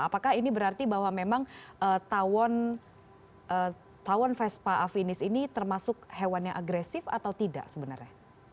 apakah ini berarti bahwa memang tawon vespa afinis ini termasuk hewan yang agresif atau tidak sebenarnya